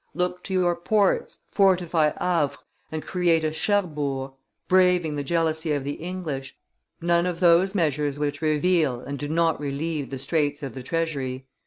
Look to your ports, fortify Havre, and create a Cherbourg, braving the jealousy of the English. None of those measures which reveal and do not relieve the straits of the treasury!